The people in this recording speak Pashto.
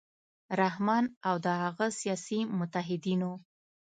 رحمان او د هغه سیاسي متحدینو